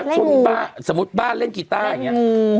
เล่นงูสมมติว่าบ้านเล่นกีตาร์อย่างเงี้ย